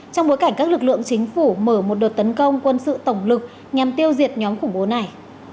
trong bối cảnh các lực lượng chính phủ mở một đợt tấn công quân sự tổng lực nhằm tiêu diệt nhóm khủng bố này